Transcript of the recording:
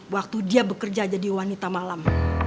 waktu dia bekerja jadi wanita malam